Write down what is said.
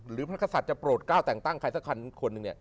หรือพระศัตริย์จะโปรดก้าวแต่งตั้งใครสักคนหนึ่งเนี่ย